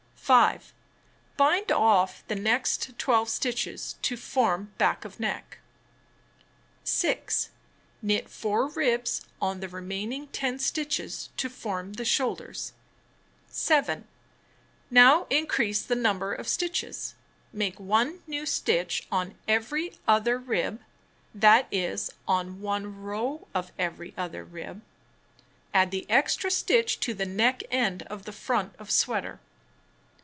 5. Bind off the next 12 stitches to form back of neck. 6. Knit 4 ribs on the remaining 10 stitches to form the shoulders. (See picture on page 187.) 7. Now increase the number of stitches. Make 1 new stitch on every other rib (that is, on one row of every other rib). Add the extra stitch to the neck end of front of sweater.